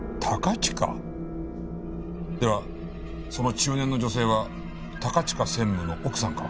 ではその中年の女性は高近専務の奥さんか？